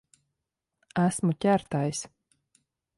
Esmu ķertais.